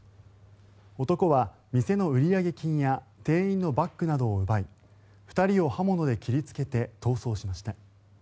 男は、店の売上金や店員のバッグなどを奪い２人を刃物で切りつけて逃走しました。